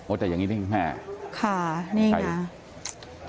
โอ๊ยแต่อย่างนี้ได้ไหมครับค่ะนี่ไงครับใช่ต้องให้ผมเอาต่อรอ